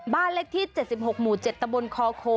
บ้านเล็กที่๗๖หมู่จะบนคโค